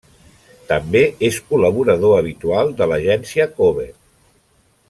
També és col·laborador habitual de l'agència Cover.